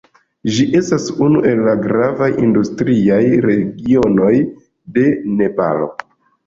Ĝi estas unu el la gravaj industriaj regionoj de Nepalo.